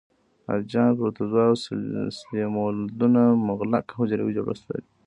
الجیان، پروتوزوا او سلیمولدونه مغلق حجروي جوړښت لري.